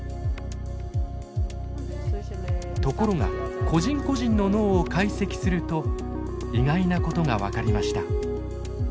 ところが個人個人の脳を解析すると意外なことが分かりました。